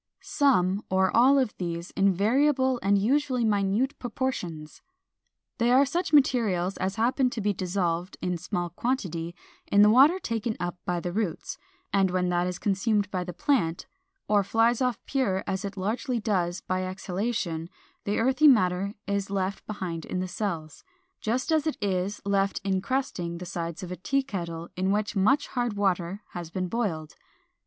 some or all of these in variable and usually minute proportions. They are such materials as happen to be dissolved, in small quantity, in the water taken up by the roots; and when that is consumed by the plant, or flies off pure (as it largely does) by exhalation, the earthy matter is left behind in the cells, just as it is left incrusting the sides of a teakettle in which much hard water has been boiled.